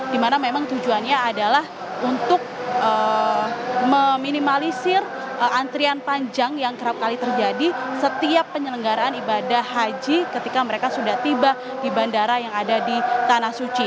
dimana memang tujuannya adalah untuk meminimalisir antrian panjang yang kerap kali terjadi setiap penyelenggaraan ibadah haji ketika mereka sudah tiba di bandara yang ada di tanah suci